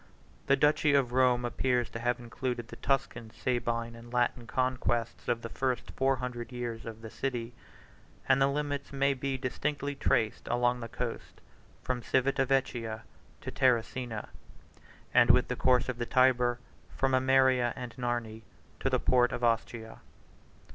The duchy of Rome appears to have included the Tuscan, Sabine, and Latin conquests, of the first four hundred years of the city, and the limits may be distinctly traced along the coast, from Civita Vecchia to Terracina, and with the course of the Tyber from Ameria and Narni to the port of Ostia.